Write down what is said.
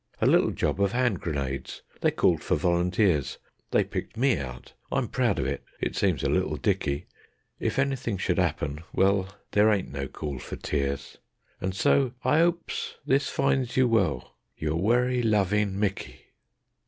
A little job of hand grenades; they called for volunteers. They picked me out; I'm proud of it; it seems a trifle dicky. If anythin' should 'appen, well, there ain't no call for tears, And so ... I 'opes this finds you well. Your werry lovin' Micky."